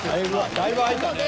だいぶ空いたね。